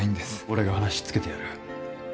俺が話つけてやる